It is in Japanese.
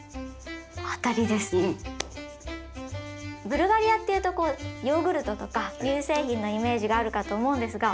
ブルガリアっていうとこうヨーグルトとか乳製品のイメージがあるかと思うんですが。